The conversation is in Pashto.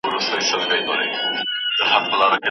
د وخت منظمول د هر څېړونکي لپاره تر ټولو ډېر مهم کار دی.